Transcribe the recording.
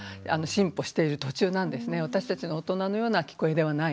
私たちの大人のような聞こえではない。